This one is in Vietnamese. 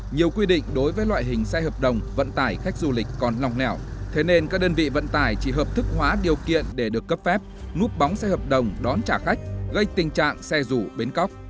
nhiều quy định đối với loại hình xe hợp đồng vận tải khách du lịch còn lòng nẻo thế nên các đơn vị vận tải chỉ hợp thức hóa điều kiện để được cấp phép núp bóng xe hợp đồng đón trả khách gây tình trạng xe rủ bến cóc